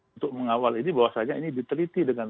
untuk mengawal ini bahwasannya ini diteliti dengan